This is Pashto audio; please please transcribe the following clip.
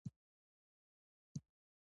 ارګون بازار ولې لوی دی؟